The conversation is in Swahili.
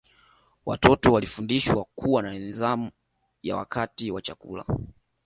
Watoto walifundishwa kuwa na nidhamu ya wakati wa chakula